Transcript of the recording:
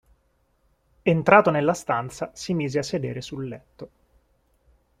Entrato nella stanza si mise a sedere sul letto.